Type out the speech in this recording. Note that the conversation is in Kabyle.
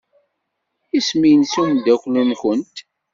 Isem-nnes umeddakel-nwent?